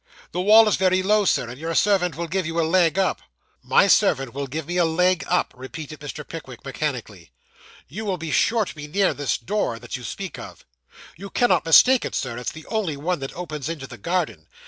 'The wall is very low, sir, and your servant will give you a leg up.' My servant will give me a leg up,' repeated Mr. Pickwick mechanically. 'You will be sure to be near this door that you speak of?' 'You cannot mistake it, Sir; it's the only one that opens into the garden.